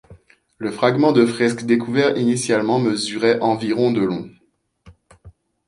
Le fragment de fresque découvert initialement mesurait environ de long.